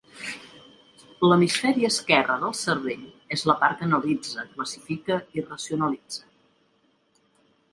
L'hemisferi esquerra del cervell és la part que analitza, classifica i racionalitza.